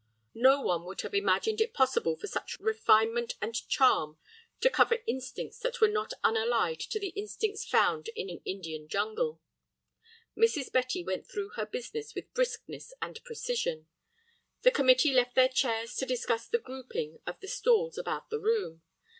No one would have imagined it possible for such refinement and charm to cover instincts that were not unallied to the instincts found in an Indian jungle. Mrs. Betty went through her business with briskness and precision; the committee left their chairs to discuss the grouping of the stalls about the room.